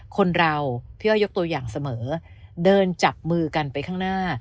คนเราพี่อ้อยยกตัวอย่างเสมอเดินจับมือกันไปข้างหน้า